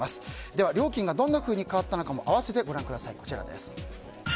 では料金がどんなふうに変わったのかも合わせてご覧ください。